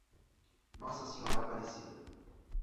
Nossa Senhora Aparecida